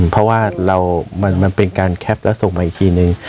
เพราะว่ามันเป็นการแคปแล้วส่งมาอีกทีนึง